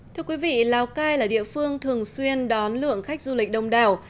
thưa quý vị lào cai là địa phương thường xuyên đón lượng khách du lịch đông đảo